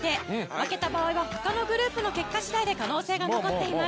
負けた場合はほかのグループの結果次第で可能性が残っています。